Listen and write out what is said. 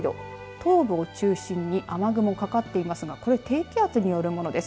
東部を中心に雨雲かかっていますがこれは低気圧によるものです。